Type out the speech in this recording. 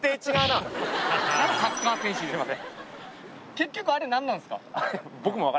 結局あれ何なんですか？